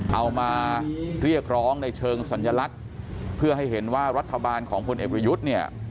เอามาเรียกร้องในเชิงสัญลักษณ์เพื่อให้เห็นว่ารัฐบาลของพลเอกประยุทธ์เนี่ย